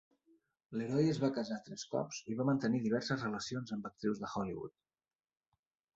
LeRoy es va casar tres cops i va mantenir diverses relacions amb actrius de Hollywood.